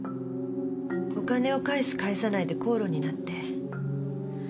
お金を返す返さないで口論になって。